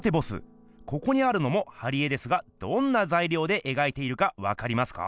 ここにあるのも貼り絵ですがどんなざいりょうでえがいているかわかりますか？